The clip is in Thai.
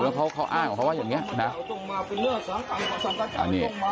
เพราะฉะนั้นเค้าอ้างเขาเข้าว่าอย่างนี้นะนะ